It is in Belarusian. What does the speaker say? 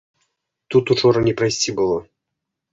Тут учора не прайсці было!